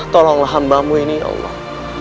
tolonglah hambamu ini ya allah